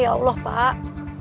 ya allah pak